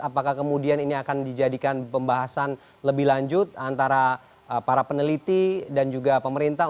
apakah kemudian ini akan dijadikan pembahasan lebih lanjut antara para peneliti dan juga pemerintah